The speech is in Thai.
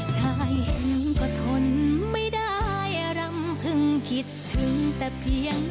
ชายเห็นก็ทนไม่ได้รำพึงคิดถึงแต่เพียง